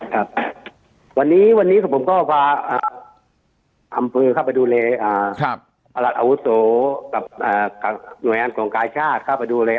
ครับวันนี้วันนี้ผมก็พาอำเภอเข้าไปดูแลประหลัดอาวุโสกับหน่วยงานส่งกายชาติเข้าไปดูแล